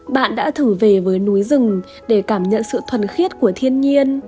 bạn đã thử về với núi rừng để cảm nhận sự thuần khiết của thiên nhiên